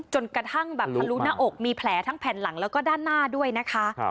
จนกระทั่งแบบทะลุหน้าอกมีแผลทั้งแผ่นหลังแล้วก็ด้านหน้าด้วยนะคะ